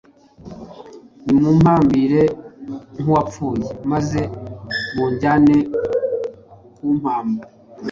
nimumpambire nk’uwapfuye, maze munjyane kumpamba